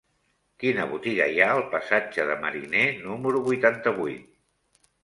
Quina botiga hi ha al passatge de Mariner número vuitanta-vuit?